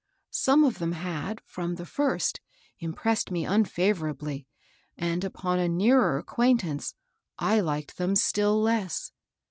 Some of them had, from the first, impressed me unfavorably, and upon a nearer acquaintance I Uked them still less.